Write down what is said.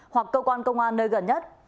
hoặc cơ quan công an nơi gần nhất